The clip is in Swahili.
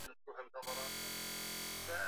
Mwaka jana, ba mama bari rima sana mioko